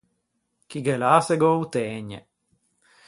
Chi ghe l’à se gh’ô tëgne.